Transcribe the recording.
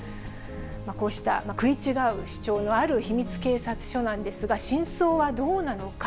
こうした食い違う主張のある秘密警察署なんですが、真相はどうなのか。